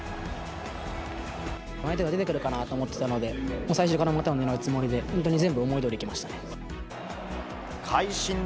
相手が出てくるかなと思っていたので、最初から股を狙うつもりで、本当に全部思いどおりにいきましたね。